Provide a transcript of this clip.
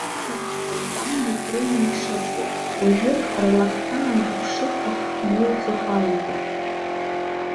Башьцәа ракәын, тәамҩахә рымам ишыббо, уажәык рлакҭа анҭаԥшыха ҳмоуӡо ҳалагеит.